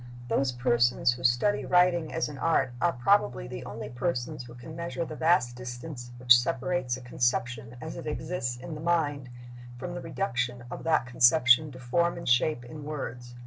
Those persons who study writing as an art are probably the only persons who can measure the vast distance which separates a conception as it exists in the mind from the reduction of that conception to form and shape in words.